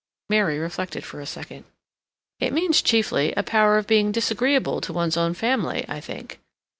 Mary reflected for a second. "It means, chiefly, a power of being disagreeable to one's own family, I think.